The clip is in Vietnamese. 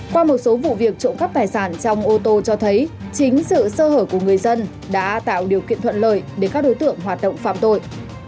qua một số vụ việc trộm cắp tài sản trong ô tô cho thấy chính sự sơ hở của người dân đã tạo điều kiện thuận lợi để các đối tượng hoạt động phạm tội